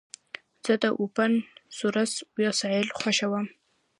زه د اوپن سورس وسایل خوښوم.